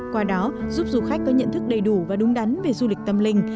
qua đó giúp du khách có nhận thức đầy đủ và đúng đắn về du lịch tâm linh